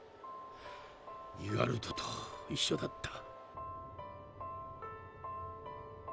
ギガルトと一緒だった。